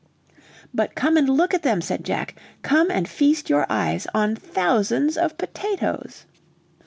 "But come and look at them," said Jack, "come and feast your eyes on thousands of potatoes."